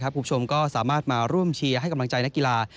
คุณผู้ชมก็สามารถมาร่วมเชียร์ให้กำลังใจนักกีฬา